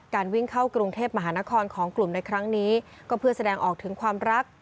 วิ่งเข้ากรุงเทพมหานครของกลุ่มในครั้งนี้ก็เพื่อแสดงออกถึงความรัก